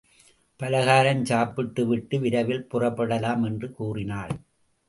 பலகாரம் சாப்பிட்டுவிட்டு விரைவில் புறப்படலாம் என்று கூறினாள்.